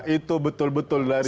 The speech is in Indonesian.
itu betul betul dari